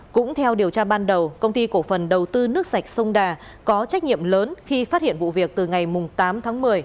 cũng theo điều tra ban đầu công ty cổ phần đầu tư nước sạch sông đà có trách nhiệm lớn khi phát hiện vụ việc từ ngày tám tháng một mươi